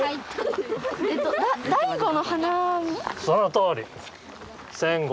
そのとおり！